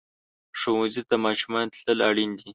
ښوونځي ته د ماشومانو تلل اړین دي.